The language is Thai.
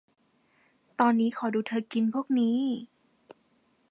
ตอนนี้ขอดูเธอกินพวกนี้